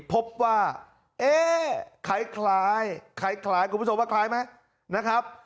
พบว่าเอ๊ะคล้ายคล้ายคุณผู้ชมว่าคล้ายไหมนะครับ